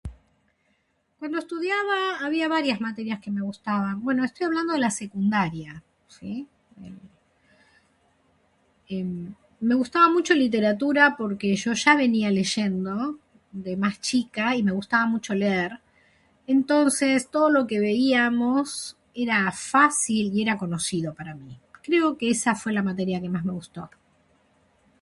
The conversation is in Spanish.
Cuando estudiaba había varias materias que me gustaban... bueno, estoy hablando de la secundaria, ¿sí? ehh...emm... Me gustaba mucho Literatura porque yo ya venía leyendo, de más chica y me gustaba mucho leer, entonces, todo lo que veíamos era fácil y era conocido para mí. Creo que esa fue la materia que más me gustó.